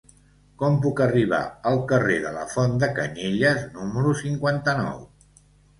Com puc arribar al carrer de la Font de Canyelles número cinquanta-nou?